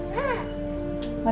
masuk ke dalam